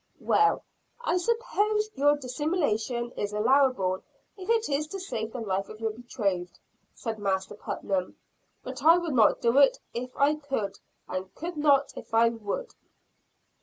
"Well, I suppose your dissimulation is allowable if it is to save the life of your betrothed," said Master Putnam, "but I would not do it if I could and I could not if I would."